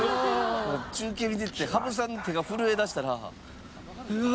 「中継見てて羽生さんの手が震えだしたらうわ